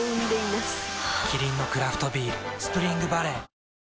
キリンのクラフトビール「スプリングバレー」